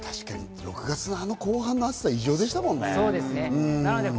６月のあの後半の暑さは異常でしたもんね。